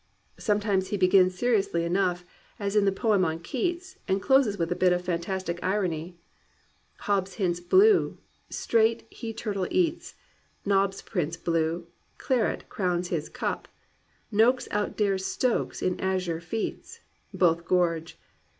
Sometimes he begins seriously enough, as in the poem on Keats, and closes with a bit of fantastic irony : "Hobbs hints blue, — straight he turtle eats: Nobbs prints blue, — claret crowns his cup: Nokes outdares Stokes in azure feats — Both gorge.